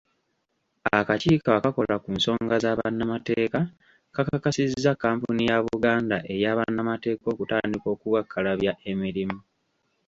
Akakiiko akakola ku nsonga z'abannamateeka, kakakasizza kampuni ya Buganda eya Bannamateeka okutandika okukakkalabya emirimu.